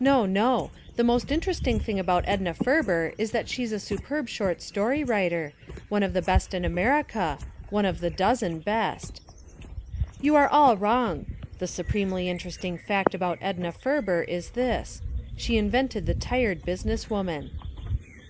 No, no ! the most interesting thing about Edna Ferber is that she's a superb short story writer, one of the best in America, one of the dozen best. | You are all wrong. The supremely interesting fact about Edna Ferber is this: She invented the Tired Business Woman.